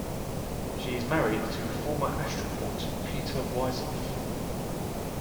She is married to former astronaut Peter Wisoff.